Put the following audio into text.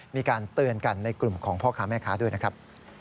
มีการเตือนกันในกลุ่มของพ่อค้าแม่ค้าด้วยนะครับ